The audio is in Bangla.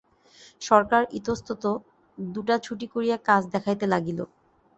সরকার ইতস্তত দুটাছুটি করিয়া কাজ দেখাইতে লাগিল।